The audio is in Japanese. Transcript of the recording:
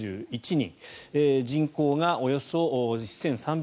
人口がおよそ１３００万人。